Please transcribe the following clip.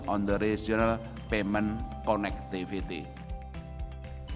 untuk bergabung dengan konektivitas pembayaran regional